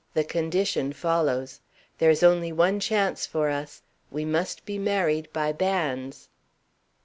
The condition follows. There is only one chance for us. We must be married by banns."